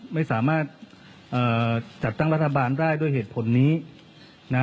ไม่สามารถจัดตั้งรัฐบาลได้ด้วยเหตุผลนี้นะ